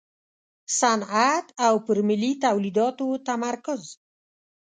صنعت او پر ملي تولیداتو تمرکز.